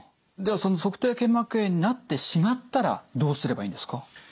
ではその足底腱膜炎になってしまったらどうすればいいんですか？